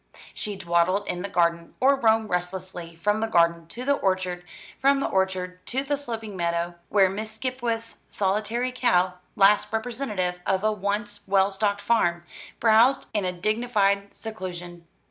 She dawdled in the garden, or roamed restlessly from the garden to the orchard, from the orchard to the sloping meadow, where Miss Skipwith's solitary cow, last representative of a once well stocked farm, browsed in a dignified seclusion.